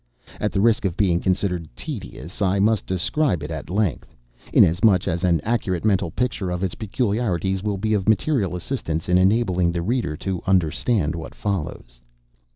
At the risk of being considered tedious, I must describe it at length: inasmuch as an accurate mental picture of its peculiarities will be of material assistance in enabling the reader to understand what follows.